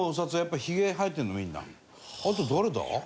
あと誰だ？